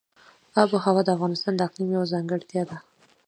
آب وهوا د افغانستان د اقلیم یوه ځانګړتیا ده.